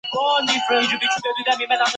他从伦敦圣三一音乐学院毕业。